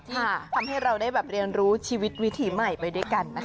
เห็นที่ทำให้เราได้เรียนรู้ชีวิตวิธีใหม่ไปด้วยกัน